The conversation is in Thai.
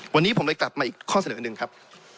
วันนี้ผมเลยกลับมาอีกข้อเสนอหนึ่งครับ